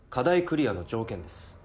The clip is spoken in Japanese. クリアの条件です。